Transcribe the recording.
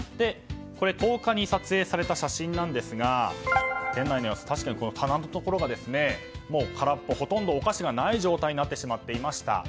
１０日に撮影された写真なんですが園内の様子、棚のところがほとんどお菓子がない状態になってしまっていました。